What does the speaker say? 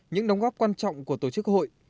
những đóng góp quan trọng của tổ chức hội